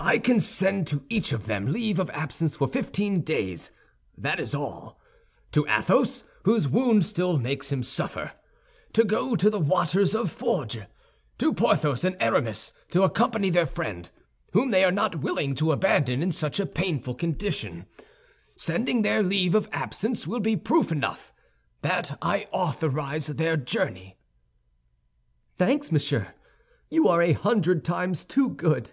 "I can send to each of them leave of absence for fifteen days, that is all—to Athos, whose wound still makes him suffer, to go to the waters of Forges; to Porthos and Aramis to accompany their friend, whom they are not willing to abandon in such a painful condition. Sending their leave of absence will be proof enough that I authorize their journey." "Thanks, monsieur. You are a hundred times too good."